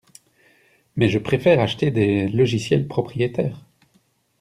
Mais je préfère acheter des logiciels propriétaires.